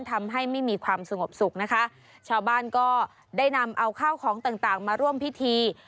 ทำให้ไม่มีความสงบสุขนะคะชาวบ้านก็ได้นำเอาข้าวของต่างต่างมาร่วมพิธี